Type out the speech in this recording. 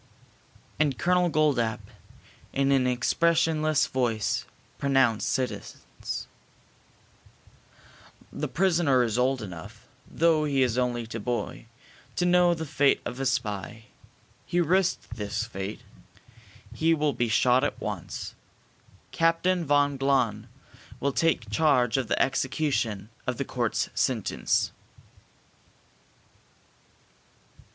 And Colonel Goldapp, in an expressionless voice, pronounced sentence. "The prisoner is old enough, though he is only a boy, to know the fate of a spy. He risked this fate. He will be shot at once. Captain von Glahn will take charge of the execution of the court's sentence."